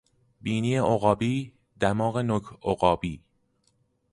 بینی عقابی، دماغ نوک عقابی